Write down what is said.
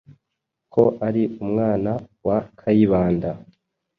ko ari umwana wa Kayibanda.